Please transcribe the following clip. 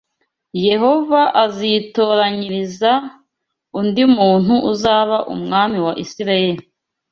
Yehova azitoranyiriza undi muntu uzaba umwami wa Isirayeli